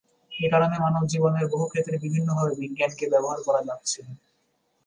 একারণে মানবজীবনের বহুক্ষত্রে বিভিন্নভাবে বিজ্ঞানকে ব্যবহার করা যাচ্ছে।